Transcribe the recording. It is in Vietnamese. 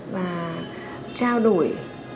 và trao đổi